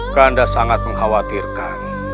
kakanda sangat mengkhawatirkan